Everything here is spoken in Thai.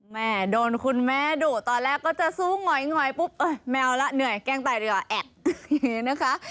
แม่โดนคุณแม่ดุตอนแรกก็จะซุ้งหงอยปุ๊บเออแมวละเหนื่อยแกล้งตายเลยหรอแอ๊ะ